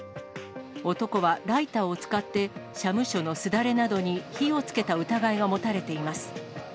男はライターを使って、社務所のすだれなどに火をつけた疑いが持たれています。